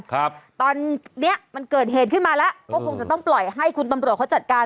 ครับตอนเนี้ยมันเกิดเหตุขึ้นมาแล้วก็คงจะต้องปล่อยให้คุณตำรวจเขาจัดการ